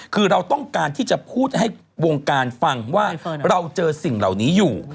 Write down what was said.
คือเราต้องการที่จะพูดให้วงการฟังว่าเราเจอสิ่งเหล่านี้อยู่